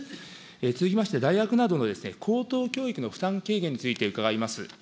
続きまして、大学などの高等教育の負担軽減について伺います。